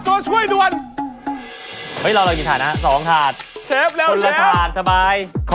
คนละถาดสบาย